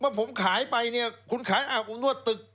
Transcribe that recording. เมื่อผมขายไปนี่คุณขายอาบอมนวดตึก